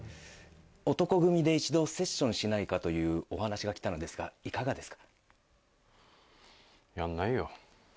男闘呼組で一度セッションしないかというお話が来たのですがいかがですか？